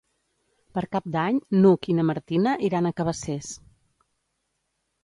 Per Cap d'Any n'Hug i na Martina iran a Cabacés.